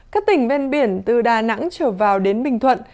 các tỉnh ven biển từ đà nẵng trở vào đến bình thuận